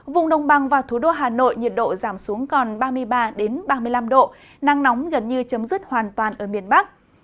vùng đồng bằng và thủ đô hà nội nhiệt độ giảm xuống còn ba mươi ba ba mươi năm độ nắng nóng gần như chấm dứt hoàn toàn ở miền bắc